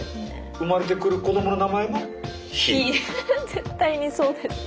絶対にそうです。